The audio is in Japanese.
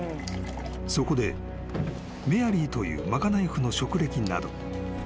［そこでメアリーという賄い婦の職歴など］